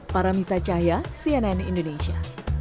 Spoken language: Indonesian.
paramita cahaya cnn indonesia